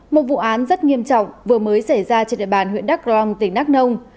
một vụ án rất nghiêm trọng vừa mới xảy ra trên đại bàn huyện đắk long tỉnh nắc nông